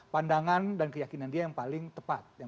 pandangan dan keyakinan dia yang paling tepat